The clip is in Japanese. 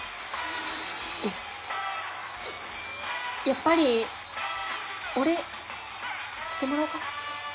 やっぱりお礼してもらおうかな。